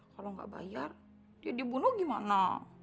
kalau nggak bayar dia dibunuh gimana